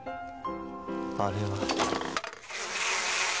「あれは」